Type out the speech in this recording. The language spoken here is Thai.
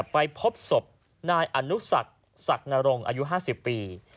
ไปพบศพนายอนุสักสักนรงอายุ๕๐ปี